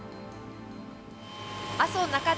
阿蘇中岳